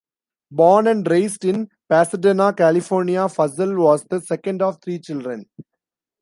Born and raised in Pasadena, California, Fussell was the second of three children.